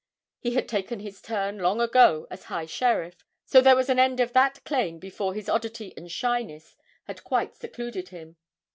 He had taken his turn long ago as High Sheriff; so there was an end of that claim before his oddity and shyness had quite secluded him.